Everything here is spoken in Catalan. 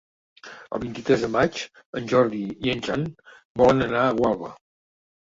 El vint-i-tres de maig en Jordi i en Jan volen anar a Gualba.